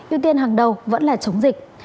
ưu tiên hàng đầu vẫn là chống dịch